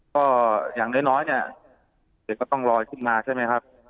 ก็อย่างน้อยเนี่ยเด็กก็ต้องลอยขึ้นมาใช่ไหมครับ